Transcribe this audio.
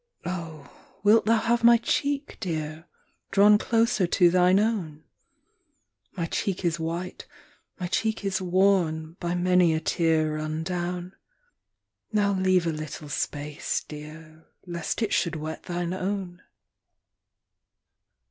ii. Oh, wilt thou have my cheek, Dear, drawn closer to thine own ? My cheek is white, my cheek is worn, by many a tear run down. Now leave a little space, Dear, lest it should wet thine own.